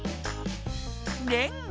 レンガ。